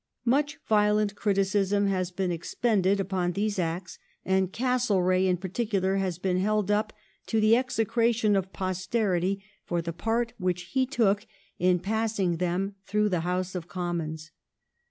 Much violent criticism has been ex pended upon these Acts, and Castlereagh in particular has been held up to the execration of posterity for the part which he took in passing them thi'ough the House of Commons.